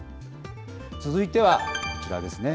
続いてはこちらですね。